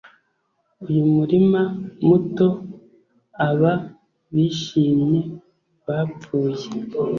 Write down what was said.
uyu murima muto aba bishimye, bapfuye